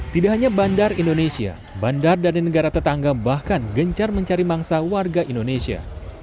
tidak hanya bandar indonesia bandar dari negara tetangga bahkan gencar mencari mangsa warga indonesia